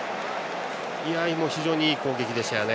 非常にいい攻撃でしたね。